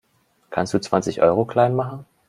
Kannst du zwanzig Euro klein machen?